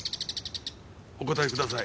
お答えください。